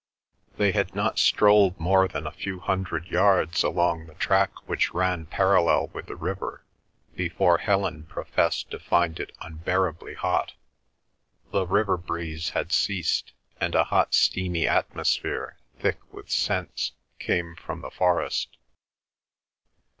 They had not strolled more than a few hundred yards along the track which ran parallel with the river before Helen professed to find it was unbearably hot. The river breeze had ceased, and a hot steamy atmosphere, thick with scents, came from the forest.